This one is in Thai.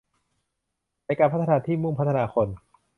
ในการพัฒนาที่มุ่งพัฒนาคน